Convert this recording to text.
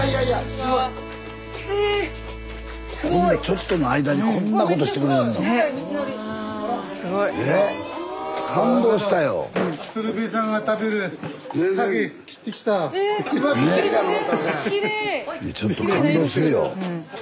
スタジオちょっと感動するよ。